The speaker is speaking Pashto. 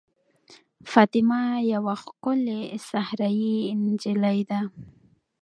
فاطمه یوه ښکلې صحرايي نجلۍ ده.